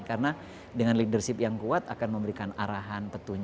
karena dengan leadership yang kuat akan memberikan arahan pendapatan dan kemampuan